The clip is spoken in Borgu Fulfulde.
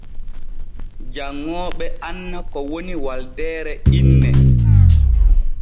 Janŋooɓe anna ko woni waldeere inne.